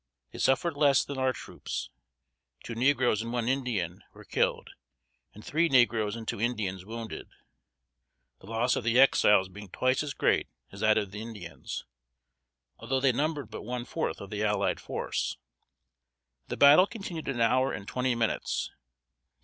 They suffered less than our troops. Two negroes and one Indian were killed, and three negroes and two Indians wounded the loss of the Exiles being twice as great as that of the Indians, although they numbered but one fourth of the allied force. The battle continued an hour and twenty minutes.